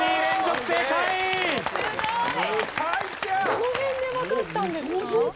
どの辺でわかったんですか？